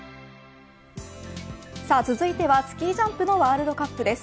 さあ続いてはスキージャンプのワールドカップです。